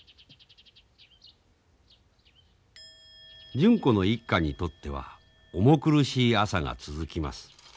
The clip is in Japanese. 純子の一家にとっては重苦しい朝が続きます。